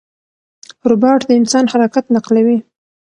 روباټ د انسان حرکت نقلوي.